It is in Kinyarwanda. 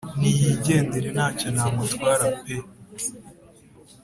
niyigendere ntacyo namutwara pee